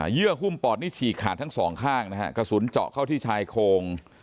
ื่อหุ้มปอดนี่ฉีกขาดทั้งสองข้างนะฮะกระสุนเจาะเข้าที่ชายโครง